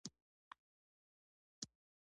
زه له پټلۍ څخه په را کوزېدو شوم.